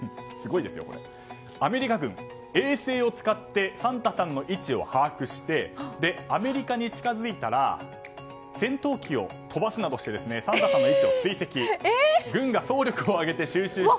アメリカ軍、衛星を使ってサンタさんの位置を把握してアメリカに近づいたら戦闘機を飛ばすなどしてサンタさんの位置を追跡。